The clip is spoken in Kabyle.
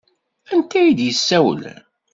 Anta ay d-yessawlen?